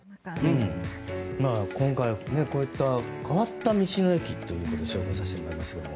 今回、こういった変わった道の駅を紹介させてもらいましたけど。